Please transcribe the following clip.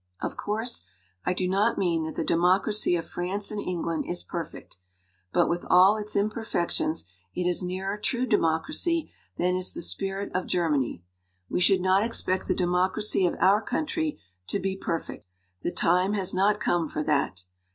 "Of course, I do not mean that the democracy of France and England is perfect. But with all its imperfections it is nearer true democracy than is the spirit of Germany. We should not expect the democracy of our country to be perfect. The time has not come for that.